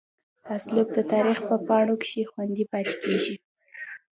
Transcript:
اسلوب دَ تاريخ پۀ پاڼو کښې خوندي پاتې کيږي